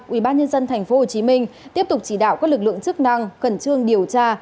ubnd tp hcm tiếp tục chỉ đạo các lực lượng chức năng khẩn trương điều tra